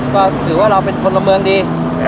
ก็คือว่าเป็นผนรมมือดี